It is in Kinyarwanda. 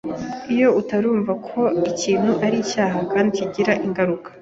Iyo utarumva ko ikintu ari cyaha kandi kigira ingaruka,